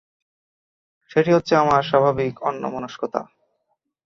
সেটি হচ্ছে আমার স্বাভাবিক অন্যমনস্কতা।